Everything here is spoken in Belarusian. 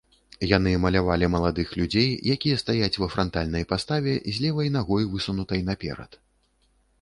Яны малявалі маладых людзей, якія стаяць ва франтальнай паставе, з левай нагой, высунутай наперад.